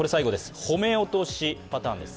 褒め落としパターンです。